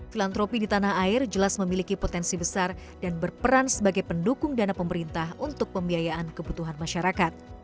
filantropi di tanah air jelas memiliki potensi besar dan berperan sebagai pendukung dana pemerintah untuk pembiayaan kebutuhan masyarakat